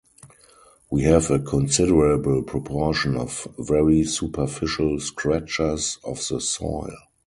We have a considerable proportion of very superficial scratchers of the soil.